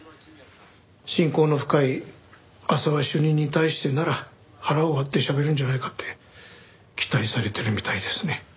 親交の深い浅輪主任に対してなら腹を割ってしゃべるんじゃないかって期待されてるみたいですね。